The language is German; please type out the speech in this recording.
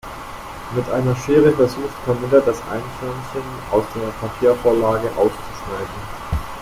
Mit einer Schere versucht Camilla das Eichhörnchen aus der Papiervorlage auszuschneiden.